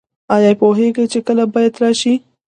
ایا پوهیږئ چې کله باید راشئ؟